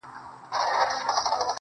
د رحمن بابا شعر ولي تر اوسه ژوندی دی؟ -